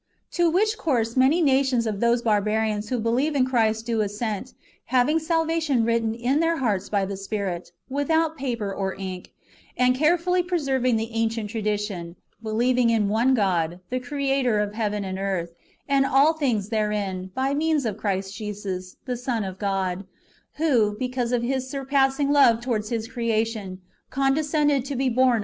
To which course many nations of those barbarians who believe in Christ do assent, having salvation written in their hearts by the Spirit, without paper or ink, and, carefully preserving the ancient tradition, believing in one God, the Creator of heaven and earth, and all things therein, by means of Christ Jesus, the Son of God ; who, because of His sur passing love towards His creation, condescended to be born 1 Rev. xxii. 17. ^ Latin, "modica qusestione." Book iil] IRENJEUS AGAINST HERESIES.